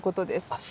あっ